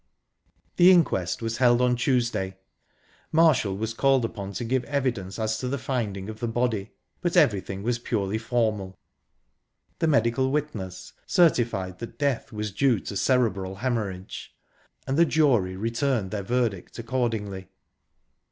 The inquest was held on Tuesday. Marshall was called upon to give evidence as to the finding of the body, but everything was purely formal. The medical witness certified that death was due to cerebral hemorrhage, and the jury returned their verdict accordingly.